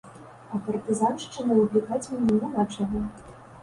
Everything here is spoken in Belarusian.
А партызаншчынай упікаць мяне няма чаго.